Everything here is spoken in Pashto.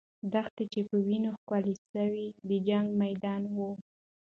دښته چې په وینو ښکلې سوه، د جنګ میدان وو.